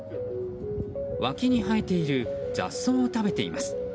脇に生えている雑草を食べています。